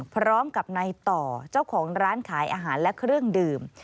พร้อมกับในต่อเจ้าของร้านขายอาหารและเครื่องดื่ม